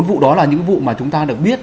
vụ đó là những vụ mà chúng ta được biết